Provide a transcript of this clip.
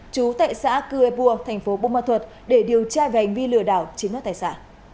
chú tại xã cư ê bua thành phố buôn ma thuật để điều tra về hành vi lừa đảo chiến đấu tại xã